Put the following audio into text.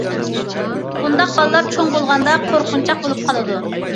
بۇنداق بالىلار چوڭ بولغاندا قورقۇنچاق بولۇپ قالىدۇ.